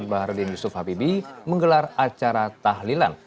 pak harudin yusuf habibi menggelar acara tahlilan